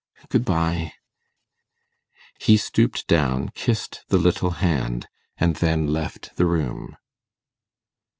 Good bye.' He stooped down, kissed the little hand, and then left the room.